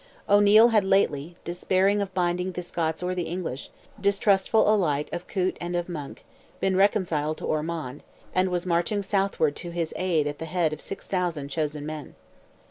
O'Neil had lately, despairing of binding the Scots or the English, distrustful alike of Coote and of Monck, been reconciled to Ormond, and was marching southward to his aid at the head of 6,000 chosen men.